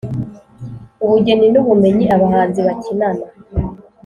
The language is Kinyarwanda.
ubugeni n’ubumenyi abahanzi bakinana.